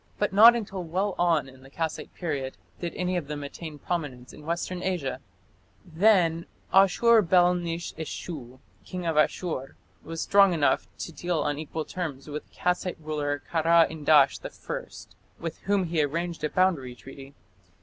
But not until well on in the Kassite period did any of them attain prominence in Western Asia. Then Ashur bel nish eshu, King of Asshur, was strong enough to deal on equal terms with the Kassite ruler Kara indash I, with whom he arranged a boundary treaty.